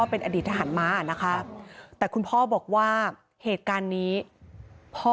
เป็นอดีตทหารม้านะคะแต่คุณพ่อบอกว่าเหตุการณ์นี้พ่อ